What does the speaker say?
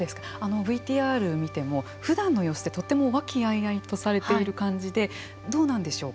ＶＴＲを見てもふだんの様子ってとても和気あいあいとされている感じでどうなんでしょうか。